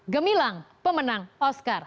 gemilang pemenang oscar